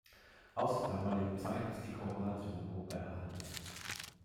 Aus der damaligen Zeit ist die Choral-Synagoge erhalten.